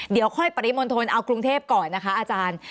เดี๋ยวค่อยปริมณฑลเอากรุงเทพก่อนนะคะอาจารย์